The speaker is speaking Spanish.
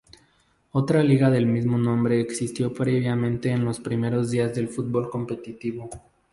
Otra liga del mismo nombre existió previamente en los primeros días del fútbol competitivo.